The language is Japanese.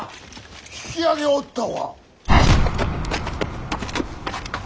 引き揚げおったわ。